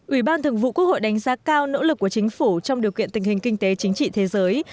ủy ban thường vụ quốc hội đánh giá cao nỗ lực của chính phủ trong điều kiện tình hình kinh tế chính trị thế giới